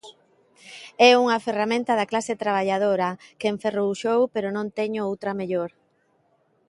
É unha ferramenta da clase traballadora, que enferruxou, pero non teño outra mellor.